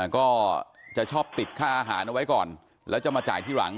ก็จะชอบติดค่าอาหารเอาไว้ก่อนแล้วจะมาจ่ายที่หลัง